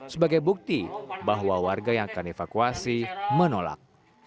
sebagai bukti bahwa warga yang akan dievakuasi menolak